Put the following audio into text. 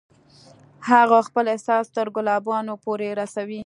هغه خپل احساس تر ګلابونو پورې رسوي